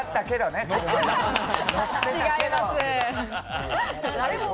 違います。